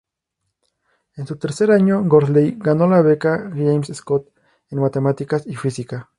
En su tercer año, Worsley ganó la Beca James Scott en Matemáticas y Física.